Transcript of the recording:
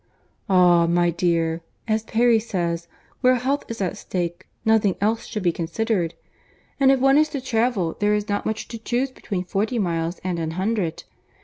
"Ah! my dear, as Perry says, where health is at stake, nothing else should be considered; and if one is to travel, there is not much to chuse between forty miles and an hundred.